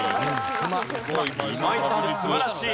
今井さん素晴らしい！